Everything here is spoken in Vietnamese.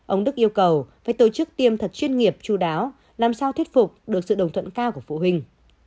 ông đức yêu cầu phải tổ chức tiêm thật chuyên nghiệp chú đáo làm sao thuyết phục được sự đồng thuận cao của phụ huynh